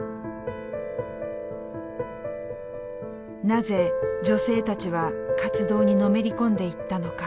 なぜ女性たちは活動にのめり込んでいったのか。